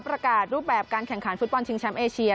ประกาศรูปแบบการแข่งขันฟุตบอลชิงแชมป์เอเชีย